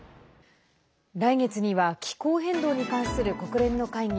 来月には気候変動に関する国連の会議